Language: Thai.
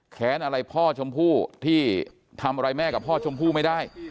แค้นอะไรพ่อชมพู่ที่ทำอะไรแม่กับพ่อชมพู่ไม่ได้